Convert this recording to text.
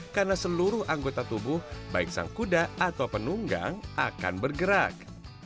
karena seluruh anggota tubuh baik sang kuda atau penunggang akan bergerak